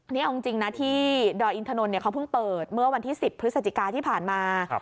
นี่เอาจริงนะที่ดอยอินทนนท์เขาเพิ่งเปิดเมื่อวันที่๑๐พฤศจิกาที่ผ่านมา